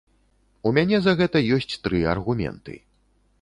У мяне за гэта ёсць тры аргументы.